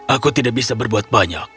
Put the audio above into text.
aku tidak bisa berbuat banyak